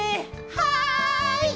はい！